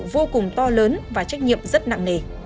vô cùng to lớn và trách nhiệm rất nặng nề